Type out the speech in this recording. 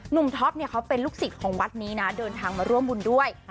ท็อปเนี่ยเขาเป็นลูกศิษย์ของวัดนี้นะเดินทางมาร่วมบุญด้วย